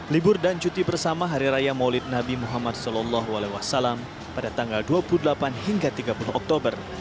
libur dan cuti bersama hari raya maulid nabi muhammad saw pada tanggal dua puluh delapan hingga tiga puluh oktober